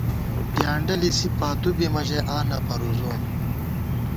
ڈیانڈہ لِسی پاتُو بِمہ ژَئی آں نہ پَرُوزوم